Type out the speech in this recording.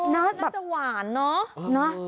น่าจะหวานเนอะ